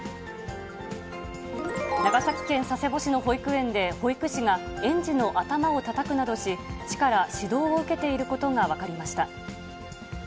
長崎県佐世保市の保育園で、保育士が園児の頭をたたくなどし、市から指導を受けていることが分かりました。